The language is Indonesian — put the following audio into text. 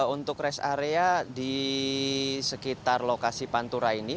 untuk rest area di sekitar lokasi pantura ini